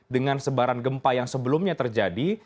dengan sebaran gempa yang sebelumnya terjadi